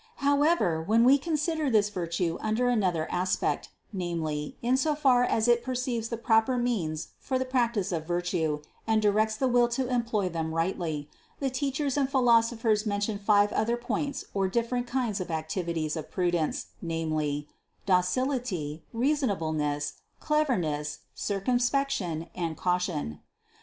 However, when we con sider this virtue under another aspect, namely in so far as it perceives the proper means for the practice of virtue and directs the will to employ them rightly, the teachers and philosophers mention five other points or different kind of activities of prudence, namely ; docility, reason ableness, cleverness, circumspection and caution.